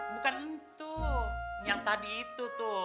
bukan itu yang tadi itu tuh